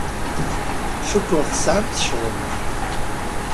Cukkeɣ tesɛamt ccɣel.